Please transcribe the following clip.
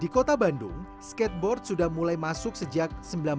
di kota bandung skateboard sudah mulai masuk sejak seribu sembilan ratus sembilan puluh